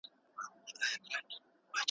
شکر دی چې زوی یې نن سهار روغ او جوړ و.